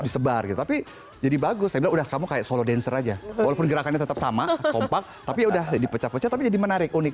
disebar gitu tapi jadi bagus saya bilang udah kamu kayak solo dancer aja walaupun gerakannya tetap sama kompak tapi udah dipecah pecah tapi jadi menarik unik